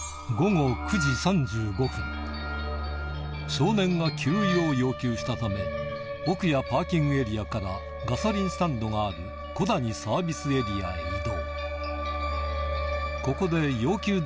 少年が給油を要求したため奥屋パーキングエリアからガソリンスタンドがある小谷サービスエリアへ移動